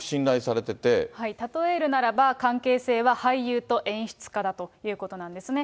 たとえるならば、関係性は俳優と演出家だということなんですね。